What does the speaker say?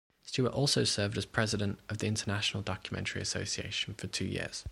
Stuart also served as president of the International Documentary Association for two years.